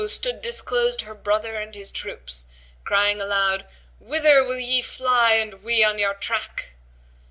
stood disclosed her brother and his troops, crying aloud, "Whither will ye fly, and we on your track!"